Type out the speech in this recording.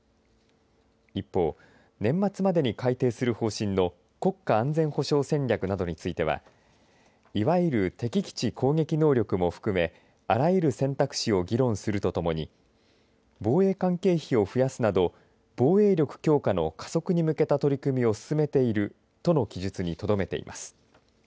一方、年末までに改定する方針の国家安全保障戦略などについてはいわゆる敵基地攻撃能力も含めあらゆる選択肢を議論するとともに防衛関係費を増やすなど防衛力強化の加速に向けた取り組みを進めているとの記述にとどめています。